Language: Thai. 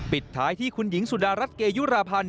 ปิดท้ายที่คุณหญิงสุดารัฐเกยุราพันธ์